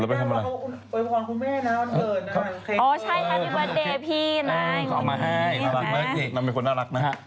แล้วไปทำอะไรอ๋อใช่ครับวันเด็กพี่นะขอมาให้นางเป็นคนน่ารักนะ